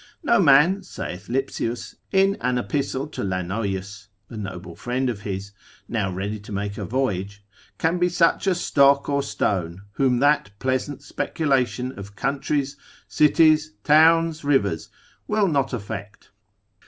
No man, saith Lipsius, in an epistle to Phil. Lanoius, a noble friend of his, now ready to make a voyage, can be such a stock or stone, whom that pleasant speculation of countries, cities, towns, rivers, will not affect.